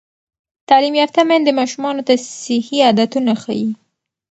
تعلیم یافته میندې ماشومانو ته صحي عادتونه ښيي.